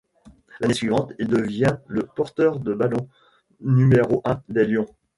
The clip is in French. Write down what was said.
L'année suivante il devient le porteur de ballon numéro un des Lions.